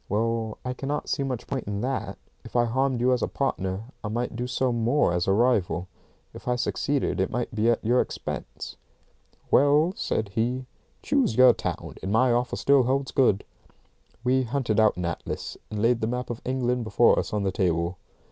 "Well, I cannot see much point in that. If I harmed you as a partner, I might do so more as a rival. If I succeeded it might be at your expense." "Well," said he, "choose your town, and my offer still holds good." We hunted out an atlas, and laid the map of England before us on the table.